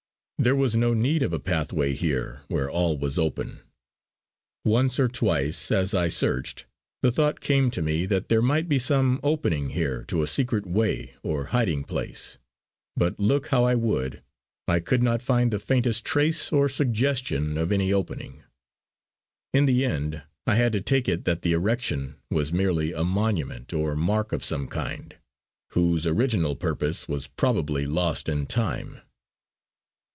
There was no need of a pathway here where all was open. Once or twice as I searched the thought came to me that there might be some opening here to a secret way or hiding place; but look how I would, I could not find the faintest trace or suggestion of any opening. In the end I had to take it that the erection was merely a monument or mark of some kind, whose original purpose was probably lost in time.